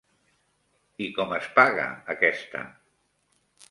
I com es paga aquesta!?